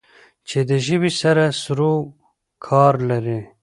چې د ژبې سره سرو کار لری